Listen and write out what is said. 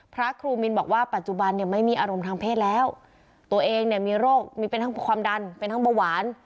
พระครูมินบอกว่าปัจจุบันเนี่ยไม่มีอารมณ์ทางเพศแล้วตัวเองเนี่ยมีโรคมีเป็นทั้งความดันเป็นทั้งเบาหวาน